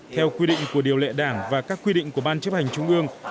theo quy định của điều lệ đảng và các quy định của ban chấp hành trung ương